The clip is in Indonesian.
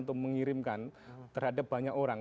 untuk mengirimkan terhadap banyak orang